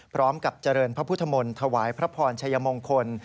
พร้อมกับเจริญพระพุทธมนต์ถวายพระพรชัยมงคล